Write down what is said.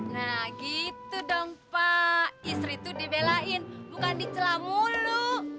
nah gitu dong pak istri itu dibelain bukan dicelah mulu